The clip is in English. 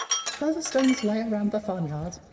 Further stones lie around the farmyard.